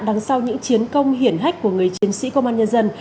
đằng sau những chiến công hiển hách của người chiến sĩ công an nhân dân